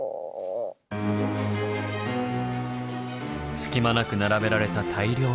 隙間なく並べられた大量の本。